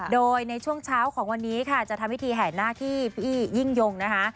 โดยในช่วงเช้าของวันนี้ค่ะจะทำพิธีแห่นาคที่พี่ยิ่งยงนะคะ